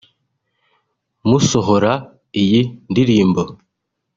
Mu gusohora iyi ndirimbo